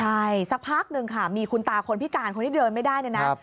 ใช่สักพักหนึ่งค่ะมีคุณตาคนพิการคนที่เดินไม่ได้เนี่ยนะ